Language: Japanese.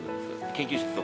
研究室とかで。